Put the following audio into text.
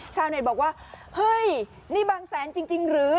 ชาวเน็ตบอกว่าเฮ้ยนี่บางแสนจริงหรือ